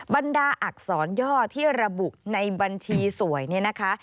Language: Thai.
บรรดาอักษรย่อที่ระบุในบัญชีสวยเนี่ยนะคะ